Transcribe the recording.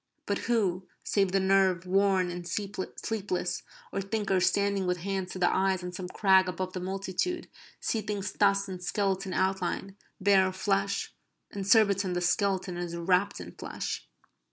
But who, save the nerve worn and sleepless, or thinkers standing with hands to the eyes on some crag above the multitude, see things thus in skeleton outline, bare of flesh? In Surbiton the skeleton is wrapped in flesh.